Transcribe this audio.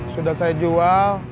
sudah saya jual